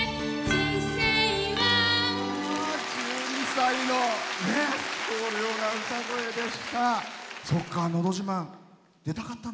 １２歳の爽涼な歌声でした。